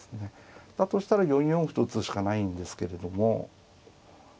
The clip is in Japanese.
だとしたら４四歩と打つしかないんですけれども。